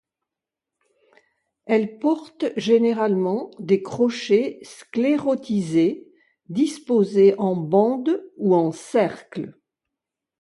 Elles portent généralement des crochets sclérotisés disposés en bande ou en cercle.